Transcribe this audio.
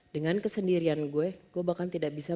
dengan kesendirian gue gue bahkan tidak bisa